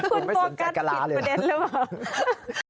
คุณโปรกัดผิดประเด็นแล้วเหรอ